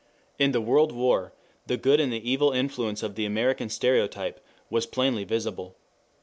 In the World War the good and the evil influence of the American stereotype was plainly visible.